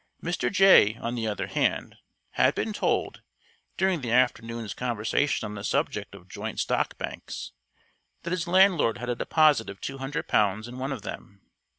Mr. Jay, on the other hand, had been told, during the afternoon's conversation on the subject of joint stock banks, that his landlord had a deposit of two hundred pounds in one of them.